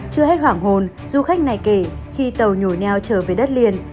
chưa hết hoảng hồn du khách này kể khi tàu nhồi neo trở về đất liền